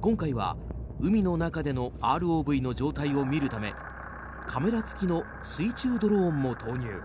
今回は海の中でのＲＯＶの状態を見るためカメラ付きの水中ドローンも投入。